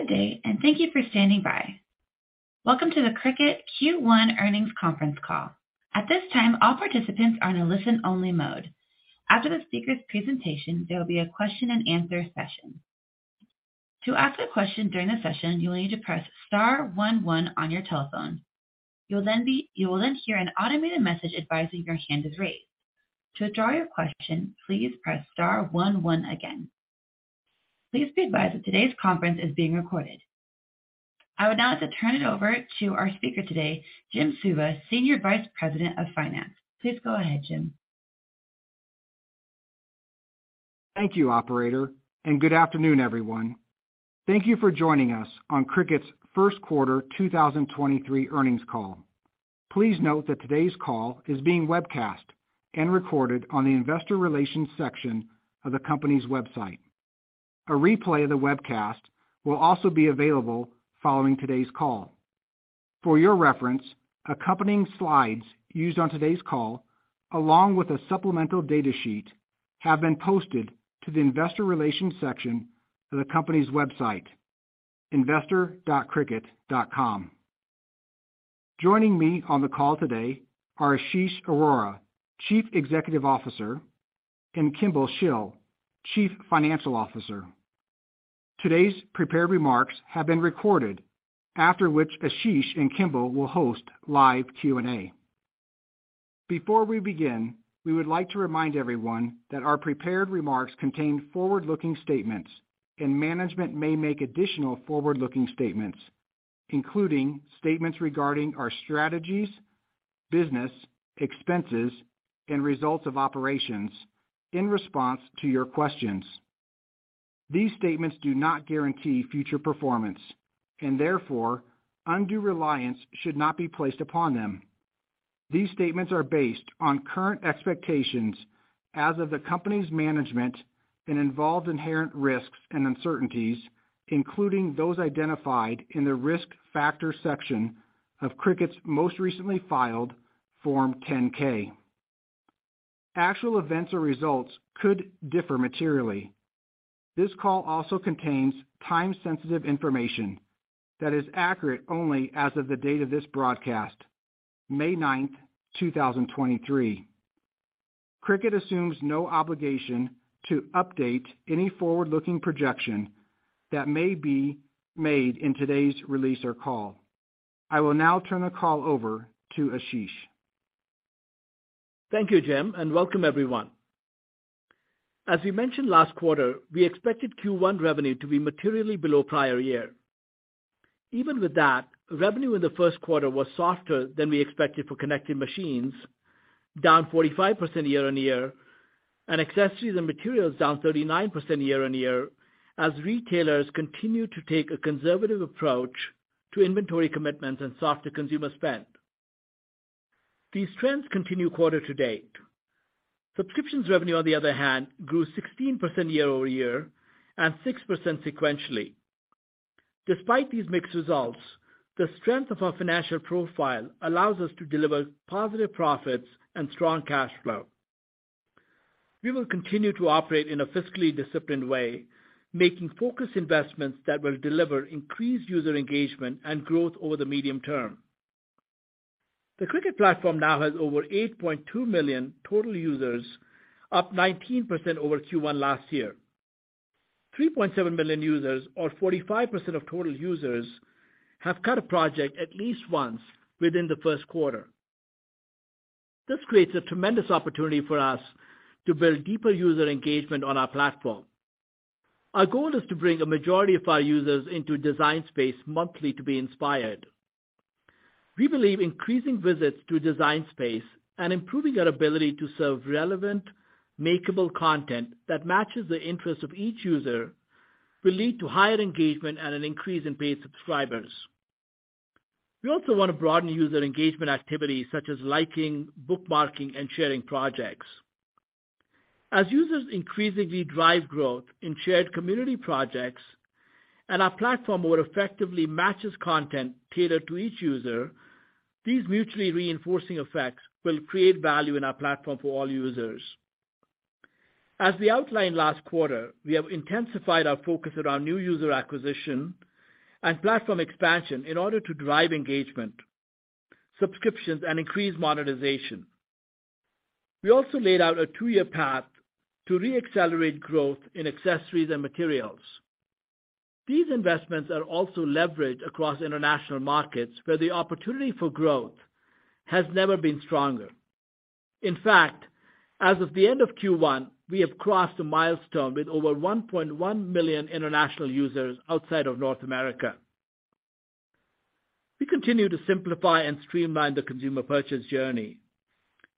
Good day, thank you for standing by. Welcome to the Cricut Q1 Earnings Conference Call. At this time, all participants are in a listen-only mode. After the speaker's presentation, there will be a question-and-answer session. To ask a question during the session, you will need to press star one one on your telephone. You will then hear an automated message advising your hand is raised. To withdraw your question, please press star one one again. Please be advised that today's conference is being recorded. I would now like to turn it over to our speaker today, Jim Suva, Senior Vice President of Finance. Please go ahead, Jim. Thank you, operator. Good afternoon, everyone. Thank you for joining us on Cricut's first quarter 2023 earnings call. Please note that today's call is being webcast and recorded on the investor relations section of the company's website. A replay of the webcast will also be available following today's call. For your reference, accompanying slides used on today's call, along with a supplemental datasheet, have been posted to the investor relations section of the company's website, investor.cricut.com. Joining me on the call today are Ashish Arora, Chief Executive Officer, and Kimball Shill, Chief Financial Officer. Today's prepared remarks have been recorded, after which Ashish and Kimball will host live Q&A. Before we begin, we would like to remind everyone that our prepared remarks contain forward-looking statements and management may make additional forward-looking statements, including statements regarding our strategies, business, expenses, and results of operations in response to your questions. These statements do not guarantee future performance, and therefore undue reliance should not be placed upon them. These statements are based on current expectations as of the company's management and involve inherent risks and uncertainties, including those identified in the Risk Factors section of Cricut's most recently filed Form 10-K. Actual events or results could differ materially. This call also contains time-sensitive information that is accurate only as of the date of this broadcast, May 9th, 2023. Cricut assumes no obligation to update any forward-looking projection that may be made in today's release or call. I will now turn the call over to Ashish. Thank you, Jim, and welcome everyone. As we mentioned last quarter, we expected Q1 revenue to be materially below prior year. Even with that, revenue in the first quarter was softer than we expected for connected machines, down 45% year-on-year, and accessories and materials down 39% year-on-year, as retailers continued to take a conservative approach to inventory commitments and softer consumer spend. These trends continue quarter to date. Subscriptions revenue, on the other hand, grew 16% year-over-year and 6% sequentially. Despite these mixed results, the strength of our financial profile allows us to deliver positive profits and strong cash flow. We will continue to operate in a fiscally disciplined way, making focused investments that will deliver increased user engagement and growth over the medium term. The Cricut platform now has over 8.2 million total users, up 19% over Q1 last year. 3.7 million users or 45% of total users have cut a project at least once within the first quarter. This creates a tremendous opportunity for us to build deeper user engagement on our platform. Our goal is to bring a majority of our users into Design Space monthly to be inspired. We believe increasing visits to Design Space and improving our ability to serve relevant, makeable content that matches the interests of each user will lead to higher engagement and an increase in paid subscribers. We also want to broaden user engagement activities such as liking, bookmarking, and sharing projects. As users increasingly drive growth in shared community projects and our platform more effectively matches content tailored to each user, these mutually reinforcing effects will create value in our platform for all users. As we outlined last quarter, we have intensified our focus around new user acquisition and platform expansion in order to drive engagement, subscriptions, and increase monetization. We also laid out a two-year path to re-accelerate growth in accessories and materials. These investments are also leveraged across international markets where the opportunity for growth has never been stronger. In fact, as of the end of Q1, we have crossed a milestone with over 1.1 million international users outside of North America. We continue to simplify and streamline the consumer purchase journey.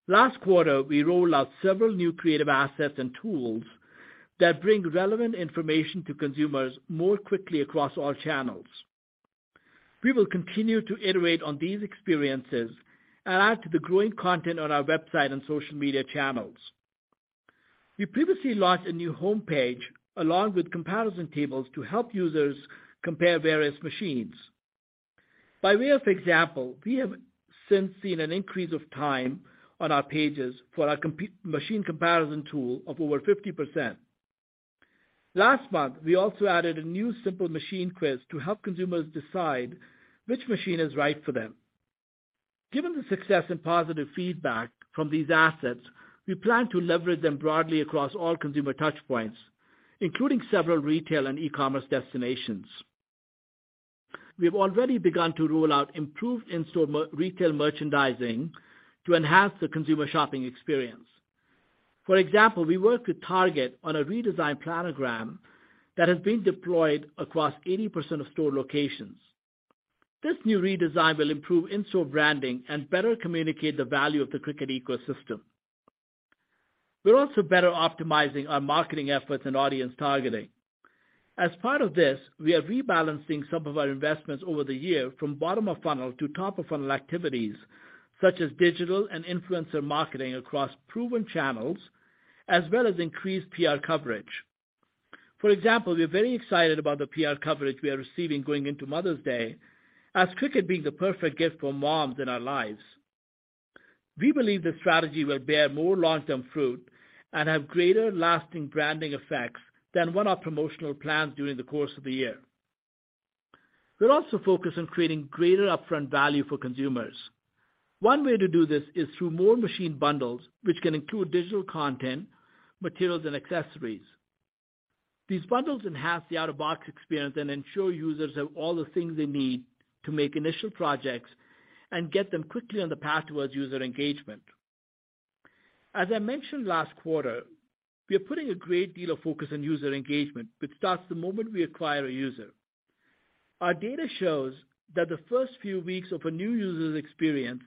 Last quarter, we rolled out several new creative assets and tools that bring relevant information to consumers more quickly across all channels. We will continue to iterate on these experiences and add to the growing content on our website and social media channels. We previously launched a new homepage along with comparison tables to help users compare various machines. By way of example, we have since seen an increase of time on our pages for our machine comparison tool of over 50%. Last month, we also added a new simple machine quiz to help consumers decide which machine is right for them. Given the success and positive feedback from these assets, we plan to leverage them broadly across all consumer touch points, including several retail and e-commerce destinations. We have already begun to roll out improved in-store retail merchandising to enhance the consumer shopping experience. For example, we worked with Target on a redesigned planogram that has been deployed across 80% of store locations. This new redesign will improve in-store branding and better communicate the value of the Cricut ecosystem. We're also better optimizing our marketing efforts and audience targeting. Part of this, we are rebalancing some of our investments over the year from bottom-of-funnel to top-of-funnel activities, such as digital and influencer marketing across proven channels, as well as increased PR coverage. Example, we're very excited about the PR coverage we are receiving going into Mother's Day, as Cricut being the perfect gift for moms in our lives. We believe this strategy will bear more long-term fruit and have greater lasting branding effects than one-off promotional plans during the course of the year. We're also focused on creating greater upfront value for consumers. One way to do this is through more machine bundles, which can include digital content, materials, and accessories. These bundles enhance the out-of-box experience and ensure users have all the things they need to make initial projects and get them quickly on the path towards user engagement. As I mentioned last quarter, we are putting a great deal of focus on user engagement, which starts the moment we acquire a user. Our data shows that the first few weeks of a new user's experience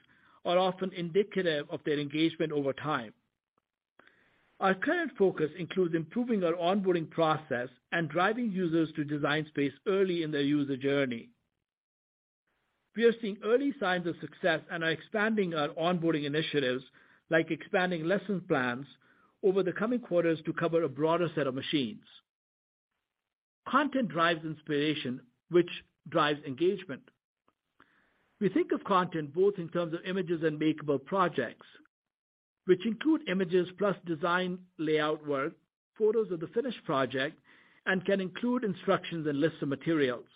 are often indicative of their engagement over time. Our current focus includes improving our onboarding process and driving users to Design Space early in their user journey. We are seeing early signs of success and are expanding our onboarding initiatives, like expanding lesson plans over the coming quarters to cover a broader set of machines. Content drives inspiration, which drives engagement. We think of content both in terms of images and makeable projects, which include images plus design layout work, photos of the finished project, and can include instructions and lists of materials.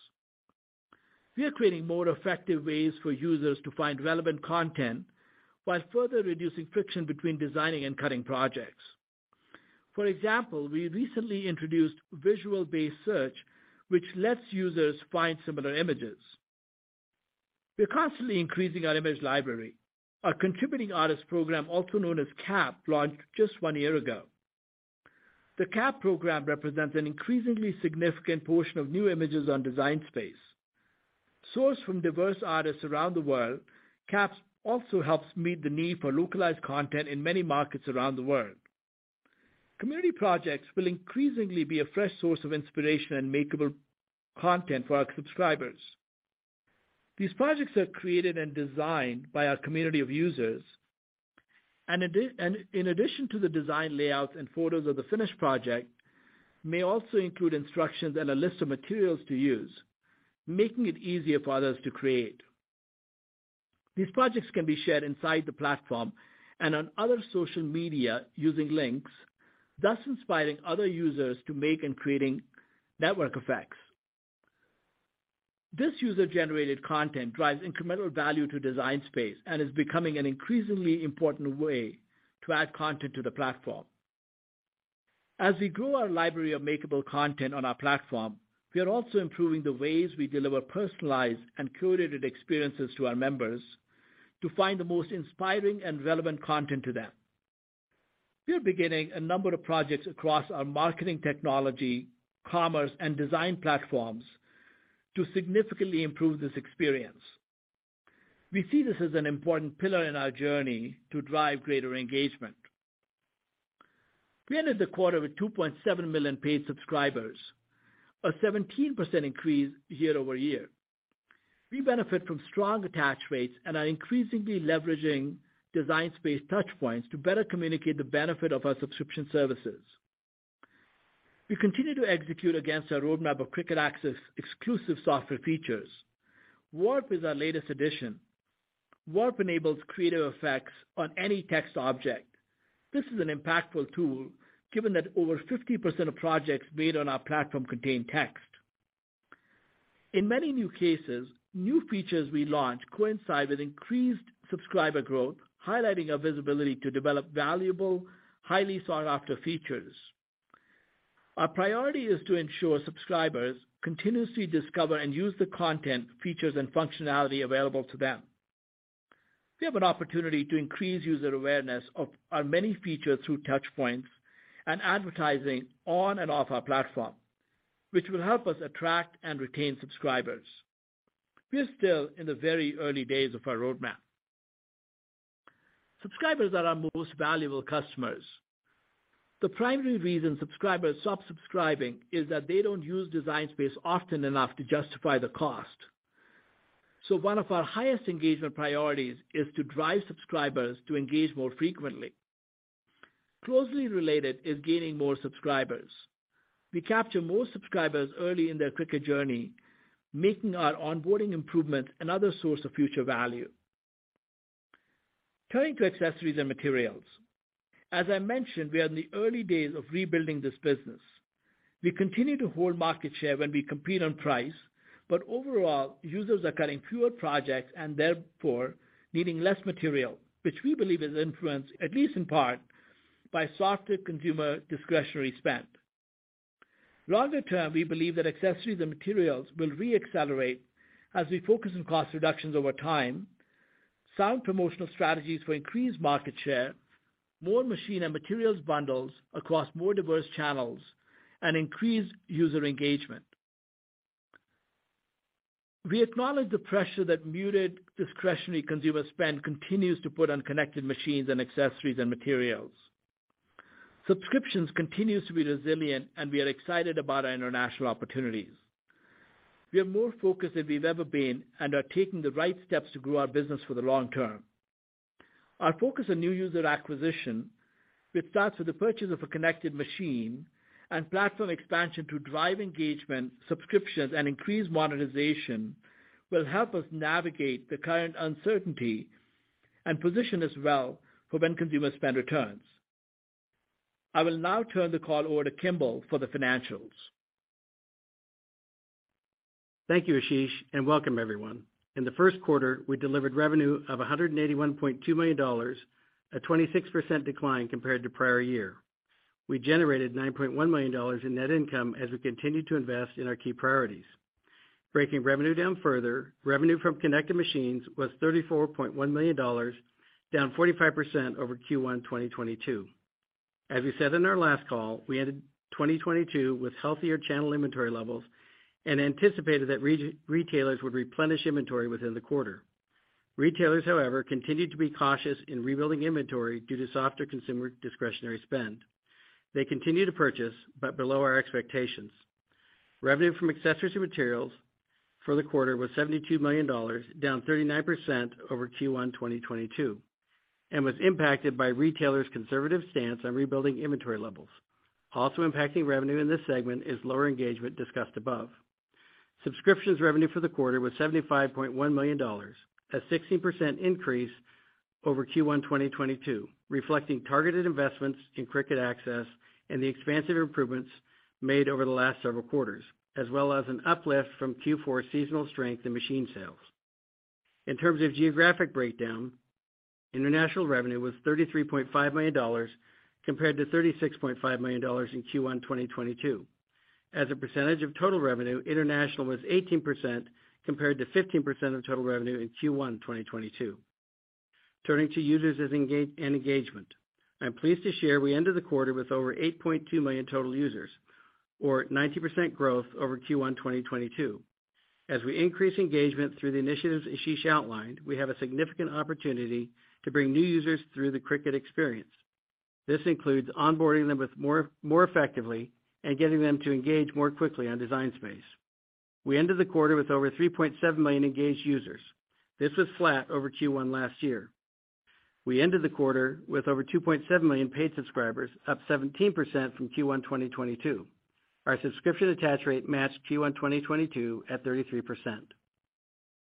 We are creating more effective ways for users to find relevant content while further reducing friction between designing and cutting projects. We recently introduced visual-based search, which lets users find similar images. We're constantly increasing our image library. Our Contributing Artists Program, also known as CAP, launched just one year ago. The CAP program represents an increasingly significant portion of new images on Design Space. Sourced from diverse artists around the world, CAP also helps meet the need for localized content in many markets around the world. Community projects will increasingly be a fresh source of inspiration and makeable content for our subscribers. These projects are created and designed by our community of users and in addition to the design layouts and photos of the finished project, may also include instructions and a list of materials to use, making it easier for others to create. These projects can be shared inside the platform and on other social media using links, thus inspiring other users to make and creating network effects. This user-generated content drives incremental value to Design Space and is becoming an increasingly important way to add content to the platform. As we grow our library of makeable content on our platform, we are also improving the ways we deliver personalized and curated experiences to our members to find the most inspiring and relevant content to them. We are beginning a number of projects across our marketing technology, commerce, and design platforms to significantly improve this experience. We see this as an important pillar in our journey to drive greater engagement. We ended the quarter with 2.7 million paid subscribers, a 17% increase year-over-year. We benefit from strong attach rates and are increasingly leveraging Design Space touch points to better communicate the benefit of our subscription services. We continue to execute against our roadmap of Cricut Access exclusive software features. Warp is our latest addition. Warp enables creative effects on any text object. This is an impactful tool, given that over 50% of projects made on our platform contain text. In many new cases, new features we launch coincide with increased subscriber growth, highlighting our visibility to develop valuable, highly sought after features. Our priority is to ensure subscribers continuously discover and use the content, features, and functionality available to them. We have an opportunity to increase user awareness of our many features through touch points and advertising on and off our platform, which will help us attract and retain subscribers. We are still in the very early days of our roadmap. Subscribers are our most valuable customers. The primary reason subscribers stop subscribing is that they don't use Design Space often enough to justify the cost. One of our highest engagement priorities is to drive subscribers to engage more frequently. Closely related is gaining more subscribers. We capture more subscribers early in their Cricut journey, making our onboarding improvement another source of future value. Turning to accessories and materials. As I mentioned, we are in the early days of rebuilding this business. We continue to hold market share when we compete on price, but overall, users are cutting fewer projects and therefore needing less material, which we believe is influenced, at least in part, by softer consumer discretionary spend. Longer term, we believe that accessories and materials will re-accelerate as we focus on cost reductions over time, sound promotional strategies for increased market share, more machine and materials bundles across more diverse channels, and increased user engagement. We acknowledge the pressure that muted discretionary consumer spend continues to put on connected machines and accessories and materials. Subscriptions continues to be resilient, and we are excited about our international opportunities. We are more focused than we've ever been and are taking the right steps to grow our business for the long term. Our focus on new user acquisition, which starts with the purchase of a connected machine and platform expansion to drive engagement, subscriptions, and increased monetization, will help us navigate the current uncertainty and position us well for when consumer spend returns. I will now turn the call over to Kimball for the financials. Thank you, Ashish. Welcome everyone. In the first quarter, we delivered revenue of $181.2 million, a 26% decline compared to prior year. We generated $9.1 million in net income as we continued to invest in our key priorities. Breaking revenue down further, revenue from connected machines was $34.1 million, down 45% over Q1 2022. As we said in our last call, we ended 2022 with healthier channel inventory levels and anticipated that re-retailers would replenish inventory within the quarter. Retailers, however, continued to be cautious in rebuilding inventory due to softer consumer discretionary spend. They continued to purchase, below our expectations. Revenue from accessories and materials for the quarter was $72 million, down 39% over Q1 2022, and was impacted by retailers' conservative stance on rebuilding inventory levels. Also impacting revenue in this segment is lower engagement discussed above. Subscriptions revenue for the quarter was $75.1 million, a 16% increase over Q1 2022, reflecting targeted investments in Cricut Access and the expansive improvements made over the last several quarters, as well as an uplift from Q4 seasonal strength in machine sales. In terms of geographic breakdown, international revenue was $33.5 million compared to $36.5 million in Q1 2022. As a percentage of total revenue, international was 18% compared to 15% of total revenue in Q1 2022. Turning to users and engagement. I'm pleased to share we ended the quarter with over 8.2 million total users or 19% growth over Q1 2022. As we increase engagement through the initiatives Ashish outlined, we have a significant opportunity to bring new users through the Cricut experience. This includes onboarding them with more effectively and getting them to engage more quickly on Design Space. We ended the quarter with over 3.7 million engaged users. This was flat over Q1 last year. We ended the quarter with over 2.7 million paid subscribers, up 17% from Q1 2022. Our subscription attach rate matched Q1 2022 at 33%.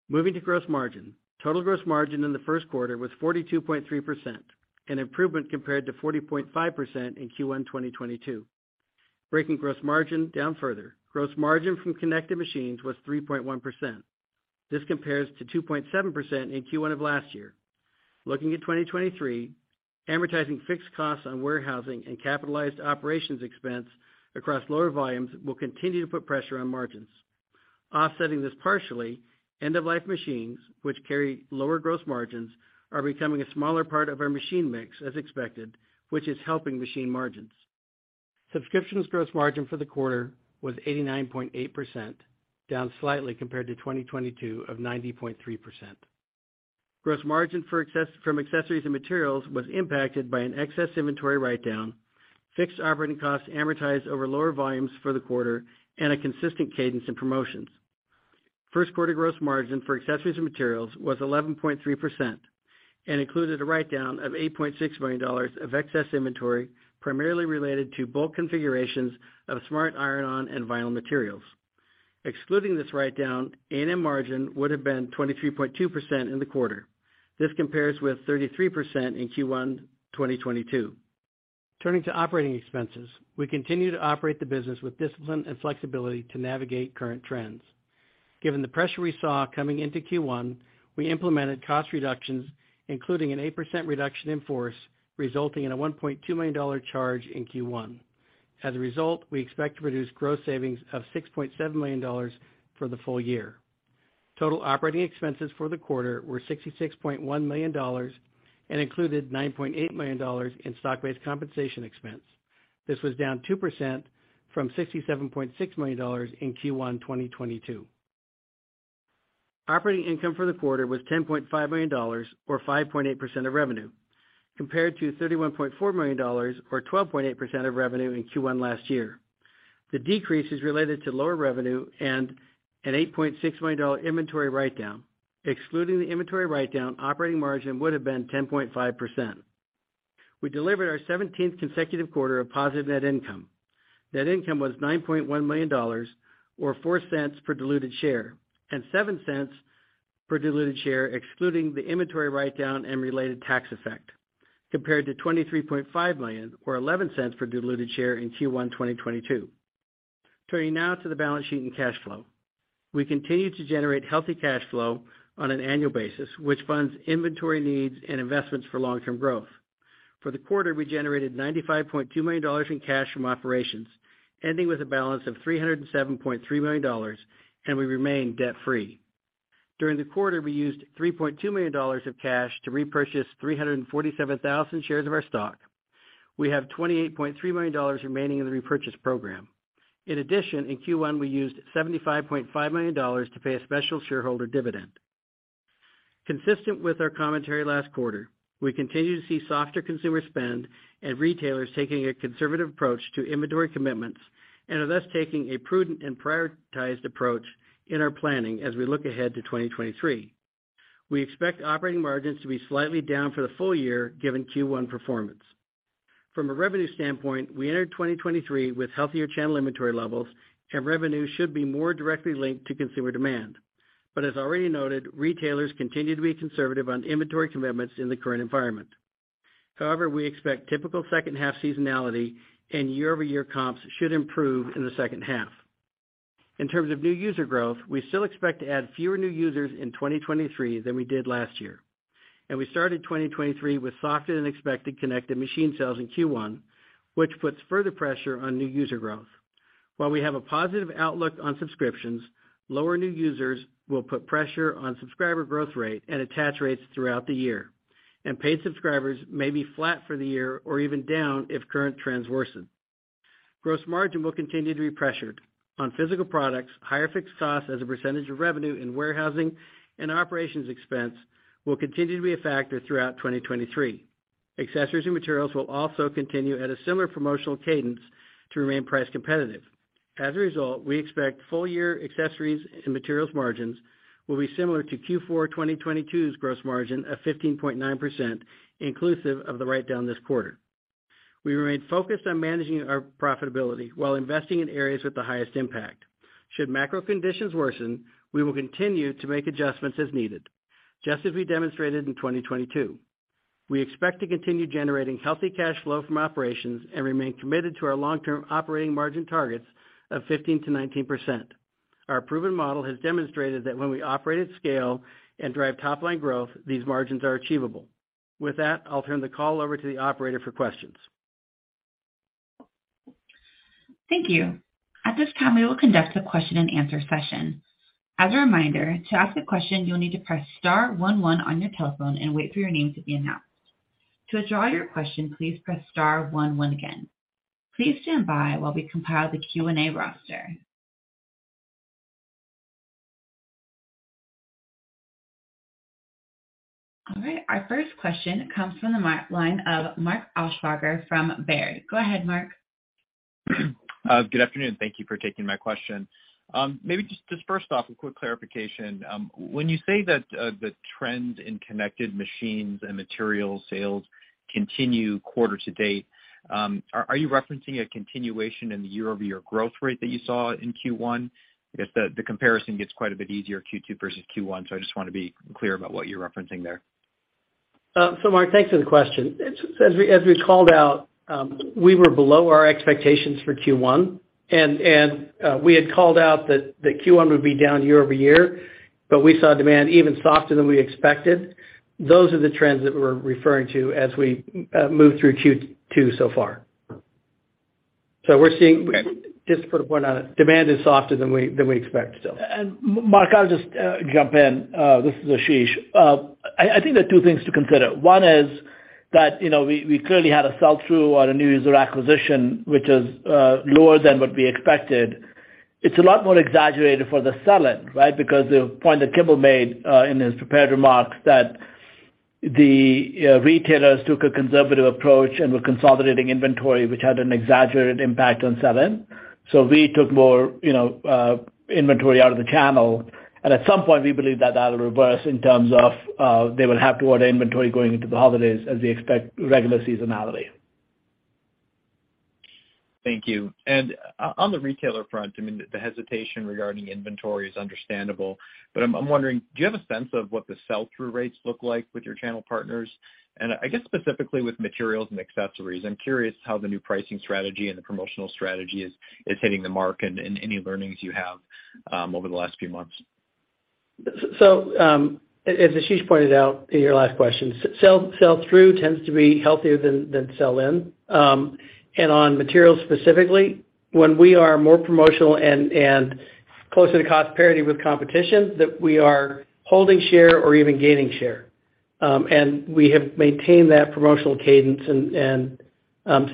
Moving to gross margin. Total gross margin in the first quarter was 42.3%, an improvement compared to 40.5% in Q1 2022. Breaking gross margin down further, gross margin from connected machines was 3.1%. This compares to 2.7% in Q1 of last year. Looking at 2023, amortizing fixed costs on warehousing and capitalized operations expense across lower volumes will continue to put pressure on margins. Offsetting this partially, end-of-life machines, which carry lower gross margins, are becoming a smaller part of our machine mix as expected, which is helping machine margins. Subscriptions gross margin for the quarter was 89.8%, down slightly compared to 2022 of 90.3%. Gross margin from accessories and materials was impacted by an excess inventory write-down, fixed operating costs amortized over lower volumes for the quarter, and a consistent cadence in promotions. First quarter gross margin for accessories and materials was 11.3% and included a write-down of $8.6 million of excess inventory, primarily related to bulk configurations of Smart Iron-On and vinyl materials. Excluding this write-down, ANM margin would have been 23.2% in the quarter. This compares with 33% in Q1, 2022. Turning to operating expenses. We continue to operate the business with discipline and flexibility to navigate current trends. Given the pressure we saw coming into Q1, we implemented cost reductions, including an 8% reduction in force, resulting in a $1.2 million charge in Q1. We expect to produce gross savings of $6.7 million for the full year. Total operating expenses for the quarter were $66.1 million and included $9.8 million in stock-based compensation expense. This was down 2% from $67.6 million in Q1, 2022. Operating income for the quarter was $10.5 million or 5.8% of revenue, compared to $31.4 million or 12.8% of revenue in Q1 last year. The decrease is related to lower revenue and an $8.6 million inventory write down. Excluding the inventory write down, operating margin would have been 10.5%. We delivered our 17th consecutive quarter of positive net income. Net income was $9.1 million or $0.04 per diluted share, and $0.07 per diluted share excluding the inventory write down and related tax effect, compared to $23.5 million or $0.11 per diluted share in Q1 2022. Turning now to the balance sheet and cash flow. We continue to generate healthy cash flow on an annual basis, which funds inventory needs and investments for long-term growth. For the quarter, we generated $95.2 million in cash from operations, ending with a balance of $307.3 million, we remain debt-free. During the quarter, we used $3.2 million of cash to repurchase 347,000 shares of our stock. We have $28.3 million remaining in the repurchase program. In addition, in Q1, we used $75.5 million to pay a special shareholder dividend. Consistent with our commentary last quarter, we continue to see softer consumer spend and retailers taking a conservative approach to inventory commitments and are thus taking a prudent and prioritized approach in our planning as we look ahead to 2023. We expect operating margins to be slightly down for the full year given Q1 performance. From a revenue standpoint, we entered 2023 with healthier channel inventory levels, and revenue should be more directly linked to consumer demand. As already noted, retailers continue to be conservative on inventory commitments in the current environment. We expect typical second half seasonality and year-over-year comps should improve in the second half. In terms of new user growth, we still expect to add fewer new users in 2023 than we did last year. We started 2023 with softer-than-expected connected machine sales in Q1, which puts further pressure on new user growth. We have a positive outlook on subscriptions, lower new users will put pressure on subscriber growth rate and attach rates throughout the year, and paid subscribers may be flat for the year or even down if current trends worsen. Gross margin will continue to be pressured. On physical products, higher fixed costs as a percentage of revenue in warehousing and operations expense will continue to be a factor throughout 2023. Accessories and materials will also continue at a similar promotional cadence to remain price competitive. As a result, we expect full year accessories and materials margins will be similar to Q4 2022's gross margin of 15.9%, inclusive of the write-down this quarter. We remain focused on managing our profitability while investing in areas with the highest impact. Should macro conditions worsen, we will continue to make adjustments as needed, just as we demonstrated in 2022. We expect to continue generating healthy cash flow from operations and remain committed to our long-term operating margin targets of 15%-19%. Our proven model has demonstrated that when we operate at scale and drive top line growth, these margins are achievable. With that, I'll turn the call over to the operator for questions. Thank you. At this time, we will conduct a question-and-answer session. As a reminder, to ask a question, you'll need to press star 1 1 on your telephone and wait for your name to be announced. To withdraw your question, please press star 1 1 again. Please stand by while we compile the Q&A roster. Our 1st question comes from the the line of of Mark Altschwager from Baird. Go ahead, Mark. Good afternoon. Thank you for taking my question. Maybe just first off, a quick clarification. When you say that the trend in connected machines and materials sales continue quarter to date, are you referencing a continuation in the year-over-year growth rate that you saw in Q1? I guess the comparison gets quite a bit easier Q2 versus Q1, so I just wanna be clear about what you're referencing there. Mark, thanks for the question. As we called out, we were below our expectations for Q1 and we had called out that the Q1 would be down year-over-year, but we saw demand even softer than we expected. Those are the trends that we're referring to as we move through Q2 so far. Just to put a point on it, demand is softer than we expected still. Mark, I'll just jump in. This is Ashish. I think there are two things to consider. One is that, you know, we clearly had a sell-through on a new user acquisition, which is lower than what we expected. It's a lot more exaggerated for the sell-in, right? Because the point that Kimball made in his prepared remarks that the retailers took a conservative approach and were consolidating inventory, which had an exaggerated impact on sell-in. We took more, you know, inventory out of the channel. At some point, we believe that that'll reverse in terms of, they will have to order inventory going into the holidays as they expect regular seasonality. Thank you. On the retailer front, I mean, the hesitation regarding inventory is understandable. I'm wondering, do you have a sense of what the sell-through rates look like with your channel partners? I guess specifically with materials and accessories. I'm curious how the new pricing strategy and the promotional strategy is hitting the mark and any learnings you have over the last few months. As Ashish pointed out in your last question, sell-through tends to be healthier than sell-in. On materials specifically, when we are more promotional and closer to cost parity with competition, that we are holding share or even gaining share. We have maintained that promotional cadence and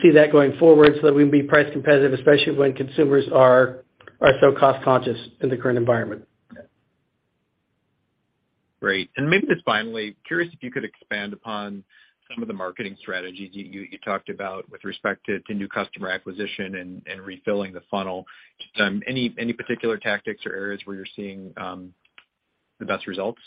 see that going forward so that we can be price competitive, especially when consumers are so cost conscious in the current environment. Great. Maybe just finally, curious if you could expand upon some of the marketing strategies you talked about with respect to new customer acquisition and refilling the funnel. Any particular tactics or areas where you're seeing the best results?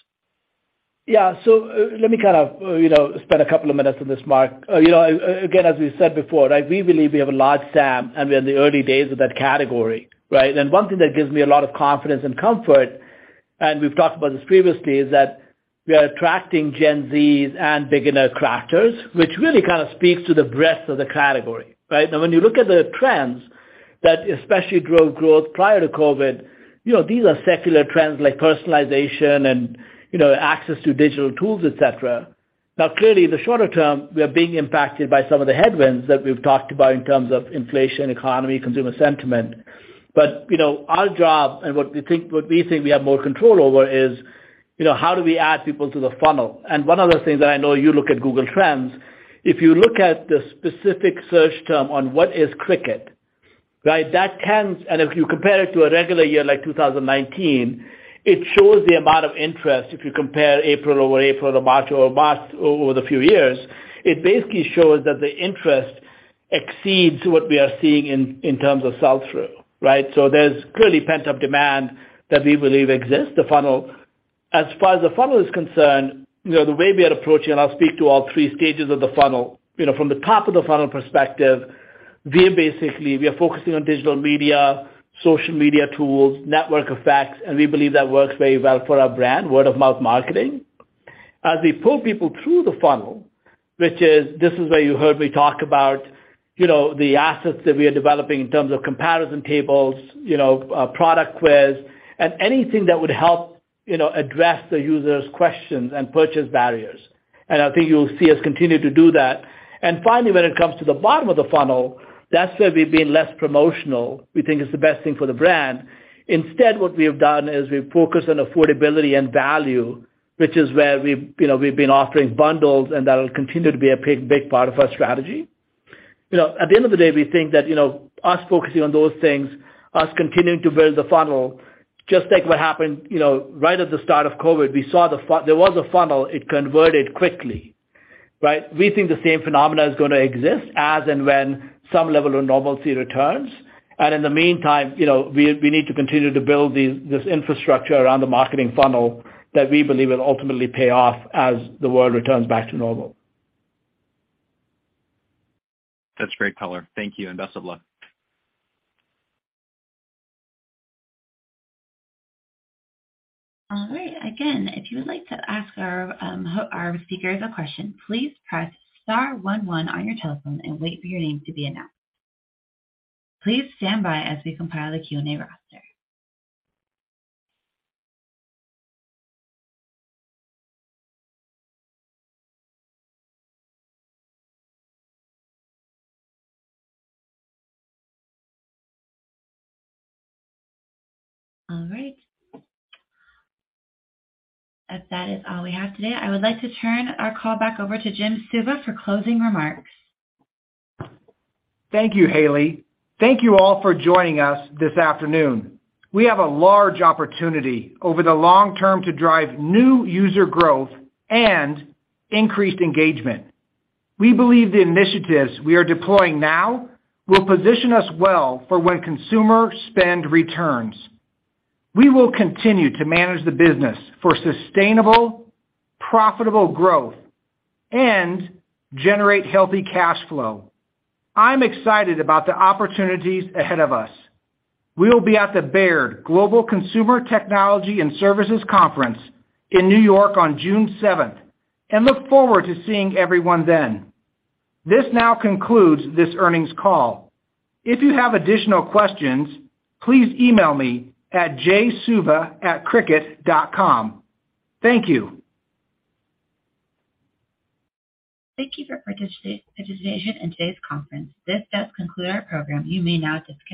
Yeah. Let me kind of, you know, spend a couple of minutes on this, Mark. You know, again, as we said before, right, we believe we have a large TAM, we are in the early days of that category, right. One thing that gives me a lot of confidence and comfort, and we've talked about this previously, is that we are attracting Gen Zs and beginner crafters, which really kind of speaks to the breadth of the category, right. When you look at the trends that especially drove growth prior to COVID, you know, these are secular trends like personalization and, you know, access to digital tools, et cetera. Clearly, in the shorter term, we are being impacted by some of the headwinds that we've talked about in terms of inflation, economy, consumer sentiment. You know, our job and what we think we have more control over is, you know, how do we add people to the funnel? One of the things that I know you look at Google Trends, if you look at the specific search term on what is Cricut, right? That tends. If you compare it to a regular year like 2019, it shows the amount of interest. If you compare April-over-April or March-over-March over the few years, it basically shows that the interest exceeds what we are seeing in terms of sell-through, right? There's clearly pent-up demand that we believe exists. As far as the funnel is concerned, you know, the way we are approaching, I'll speak to all three stages of the funnel. You know, from the top of the funnel perspective, we basically, we are focusing on digital media, social media tools, network effects, and we believe that works very well for our brand, word-of-mouth marketing. As we pull people through the funnel, which is this is where you heard me talk about, you know, the assets that we are developing in terms of comparison tables, you know, product quiz and anything that would help, you know, address the user's questions and purchase barriers. I think you'll see us continue to do that. Finally, when it comes to the bottom of the funnel, that's where we've been less promotional. We think it's the best thing for the brand. Instead, what we have done is we've focused on affordability and value, which is where we've, you know, we've been offering bundles and that'll continue to be a big part of our strategy. You know, at the end of the day, we think that, you know, us focusing on those things, us continuing to build the funnel, just like what happened, you know, right at the start of COVID, we saw there was a funnel, it converted quickly, right? We think the same phenomena is gonna exist as and when some level of normalcy returns. In the meantime, you know, we need to continue to build this infrastructure around the marketing funnel that we believe will ultimately pay off as the world returns back to normal. That's great color. Thank you, and best of luck. All right. Again, if you would like to ask our speakers a question, please press star one one on your telephone and wait for your name to be announced. Please stand by as we compile the Q&A roster. All right. If that is all we have today, I would like to turn our call back over to Jim Suva for closing remarks. Thank you, operator. Thank you all for joining us this afternoon. We have a large opportunity over the long term to drive new user growth and increased engagement. We believe the initiatives we are deploying now will position us well for when consumer spend returns. We will continue to manage the business for sustainable, profitable growth and generate healthy cash flow. I'm excited about the opportunities ahead of us. We'll be at the Baird 2023 Global Consumer, Technology & Services Conference in New York on June seventh and look forward to seeing everyone then. This now concludes this earnings call. If you have additional questions, please email me at jsuva@cricut.com. Thank you. Thank you for participation in today's conference. This does conclude our program. You may now disconnect.